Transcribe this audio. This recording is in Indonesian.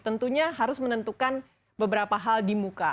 tentunya harus menentukan beberapa hal di muka